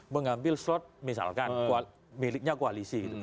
mengambil slot misalkan miliknya koalisi gitu